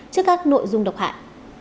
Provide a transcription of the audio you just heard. trước khi tổ chức